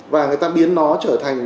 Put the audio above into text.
và người ta biến nó trở thành